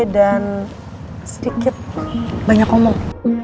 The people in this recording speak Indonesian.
dan sedikit banyak ngomong